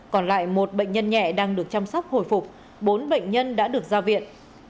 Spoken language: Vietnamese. còn lại một bệnh nhân nhẹ đang được chăm sóc hồi phục bốn bệnh nhân đã được ra viện